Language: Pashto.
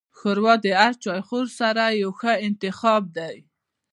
ښوروا د هر چایخوړ سره یو ښه انتخاب دی.